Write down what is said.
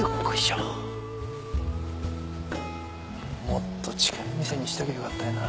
もっと近い店にしときゃよかったよな。